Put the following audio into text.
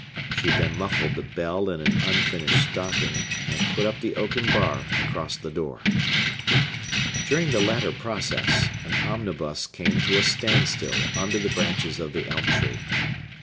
She then muffled the bell in an unfinished stocking, and put up the oaken bar across the door. During the latter process, an omnibus came to a stand still under the branches of the elm tree.